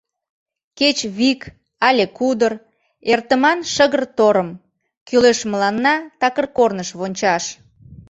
Кеч вик але кудыр — эртыман шыгыр торым, кӱлеш мыланна такыр корныш вончаш!